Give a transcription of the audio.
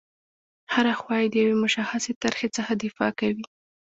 هره خوا یې د یوې مشخصې طرحې څخه دفاع کوي.